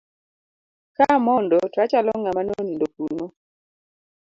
Ka amondo to achalo ng'ama nonindo kuno.